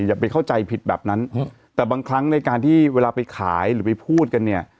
อย่าไปเข้าใจผิดแบบนั้นแต่บางครั้งในการที่เวลาไปขายหรือไปพูดกันเนี่ย